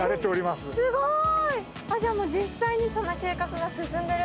すごい。